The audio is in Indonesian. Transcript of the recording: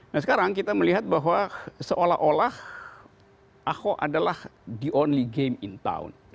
nah sekarang kita melihat bahwa seolah olah ahok adalah the only game in town